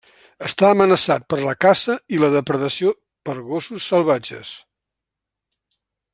Està amenaçat per la caça i la depredació per gossos salvatges.